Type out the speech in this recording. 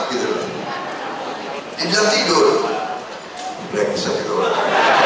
dibilang tidur brengsek itu orangnya